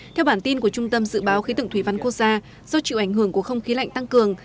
theo bản tin của trung tâm dự báo khí tượng thủy văn quốc gia do chịu ảnh hưởng của không khí lạnh tăng cường